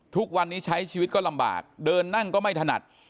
ทุกวันนี้ใช้ชีวิตก็ลำบากเดินนั่งก็ไม่ถนัด